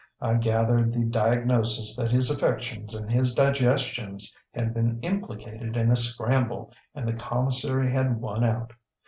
I gathered the diagnosis that his affections and his digestions had been implicated in a scramble and the commissary had won out.